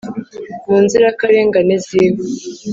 mu nzirakarengane ziwe